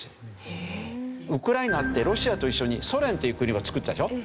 ウクライナってロシアと一緒にソ連っていう国をつくってたでしょ。